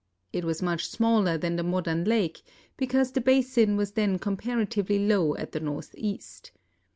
It was much smaller than the modern lake, because the basin was then comparatively low at the northeast.